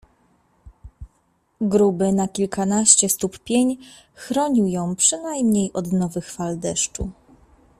Gruby na kilkanaście stóp pień chronił ją przynajmniej od nowych fal deszczu.